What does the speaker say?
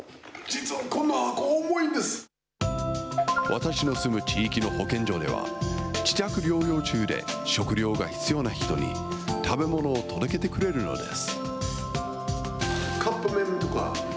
私の住む地域の保健所では、自宅療養中で食料が必要な人に、食べ物を届けてくれるのです。